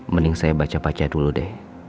mending saya baca baca dulu deh